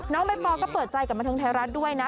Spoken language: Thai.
น้องแบ๊บปอล์ก็เปิดใจกลับมาเทิงไทยรัฐด้วยนะ